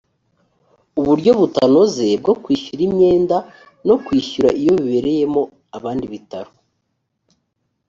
uburyo butanoze bwo kwishyuza imyenda no kwishyura iyo bibereyemo abandi ibitaro